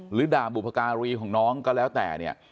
หรือด่าบุพการีของน้องก็แล้วแต่เนี่ย